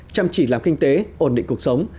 chăm chỉ làm kinh tế ổn định cuộc sống